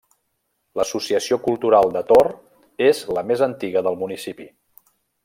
L’Associació Cultural de Tor és la més antiga del municipi.